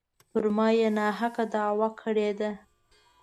پر ما یې ناحقه دعوه کړې ده.